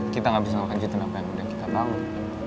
kita gak bisa melanjutkan apa yang udah kita bangun